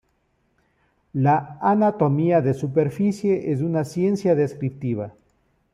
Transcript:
La anatomía de superficie es una ciencia descriptiva.